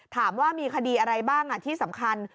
ถามว่ามีคดีอะไรบ้างที่สำคัญ